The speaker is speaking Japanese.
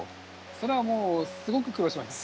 それはもうすごく苦労した？